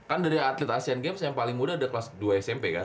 kan dari atlet asean games yang paling muda ada kelas dua smp kan